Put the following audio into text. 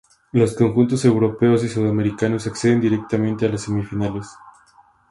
Los conjuntos europeos y sudamericanos acceden directamente a las semifinales.